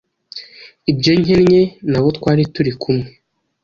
ibyo nkennye n’abo twari turi kumwe.”